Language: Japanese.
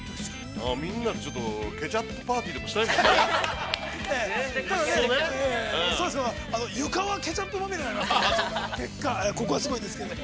みんなでちょっと、ケチャップパーティーでもしたいもんね。